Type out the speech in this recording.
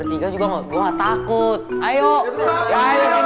ini kita lagi bercana doang nih sambil bersih bersih